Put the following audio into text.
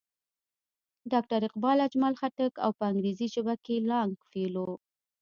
ډاکټر اقبال، اجمل خټک او پۀ انګريزي ژبه کښې لانګ فيلو